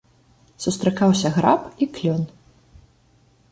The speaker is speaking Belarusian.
Сустракаўся граб і клён.